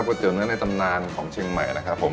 วัตตีเสียงเนื้อในตำนานของเชี่ยวใหม่